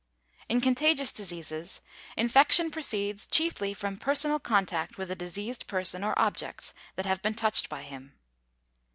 In contagious diseases, infection proceeds chiefly from personal contact with a diseased person or objects that have been touched by him.